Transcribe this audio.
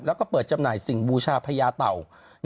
แล้วก็เปิดจำหน่ายสิ่งบูชาพญาเต่า